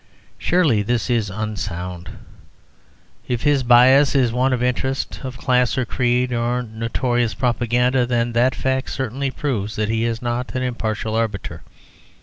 Surely this is unsound. If his bias is one of interest, of class, or creed, or notorious propaganda, then that fact certainly proves that he is not an impartial arbiter.